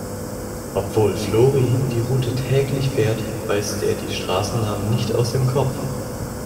Obwohl Flori die Route täglich fährt, weiß der die Straßennamen nicht aus dem Kopf.